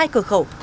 hai cửa khẩu